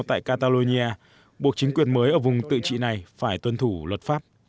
tại catalonia buộc chính quyền mới ở vùng tự trị này phải tuân thủ luật pháp